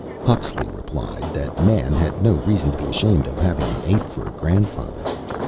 Huxley replied that man had no reason to be ashamed of having an ape for a grandfather.